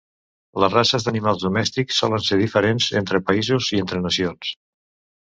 Les races d'animals domèstics solen ser diferents entre països i entre nacions.